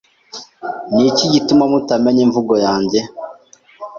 Ni iki gituma mutamenya imvugo yanjye?